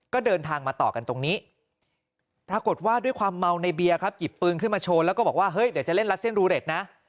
ก็เดินทางมาต่อกันตรงนี้ปรากฏว่าด้วยความเมาในเบียร์ครับหยิบปืนขึ้นมาโชว์แล้วก็บอกว่าเฮ้ยเดี๋ยวจะเล่นรัสเส้นรูเรตนะ